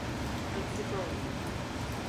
Eksik olma.